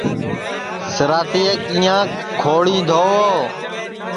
سِنٚراتِئے کِیاں کھوݪیں دھووَ